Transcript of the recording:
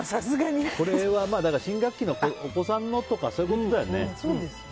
それは、新学期のお子さんのとかそういうことだよね。